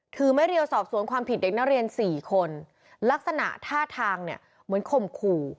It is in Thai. ไม่เรียวสอบสวนความผิดเด็กนักเรียนสี่คนลักษณะท่าทางเนี่ยเหมือนข่มขู่